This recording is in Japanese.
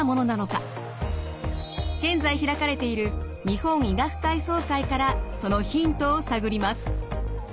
現在開かれている日本医学会総会からそのヒントを探ります。